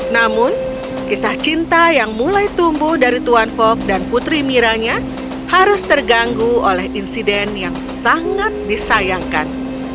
namun kisah cinta yang mulai tumbuh dari tuan fok dan putri miranya harus terganggu oleh insiden yang sangat disayangkan